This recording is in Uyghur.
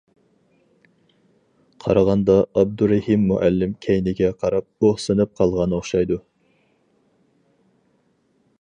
قارىغاندا ئابدۇرېھىم مۇئەللىم كەينىگە قاراپ ئۇھسىنىپ قالغان ئوخشايدۇ.